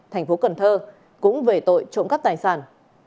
thành phố cần thơ cũng về tội trộm cắt tài sản